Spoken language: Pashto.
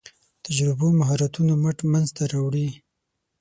تجربو مهارتونو مټ منځ ته راوړي.